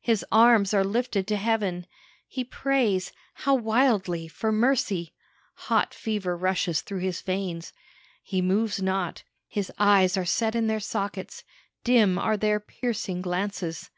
his arms are lifted to heaven he prays how wildly! for mercy. Hot fever rushes through his veins. He moves not; his eyes are set in their sockets; dim are their piercing glances.